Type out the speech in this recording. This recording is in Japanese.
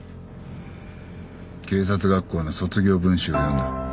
警察学校の卒業文集を読んだ。